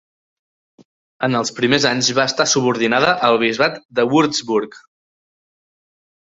En els primers anys va estar subordinada al bisbat de Würzburg.